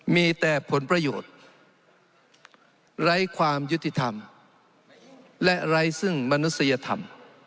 มีแต่ผลประโยชน์ไร้ความยุติธรรมและไร้ซึ่งมนุษยธรรม